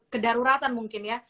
kedaruratan mungkin ya